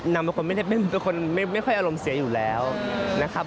เป็นคนไม่ค่อยอารมณ์เสียอยู่แล้วนะครับ